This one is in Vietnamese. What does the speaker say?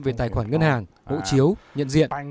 về tài khoản ngân hàng bộ chiếu nhận diện